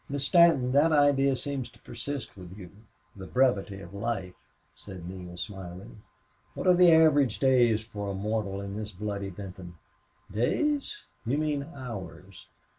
"Miss Stanton, that idea seems to persist with you the brevity of life," said Neale, smiling. "What are the average days for a mortal in this bloody Benton?" "Days! You mean hours.